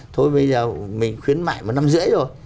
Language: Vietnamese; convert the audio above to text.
thôi bây giờ mình khuyến mại một năm rưỡi rồi